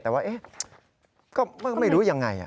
แต่ว่าก็ไม่รู้ยังไง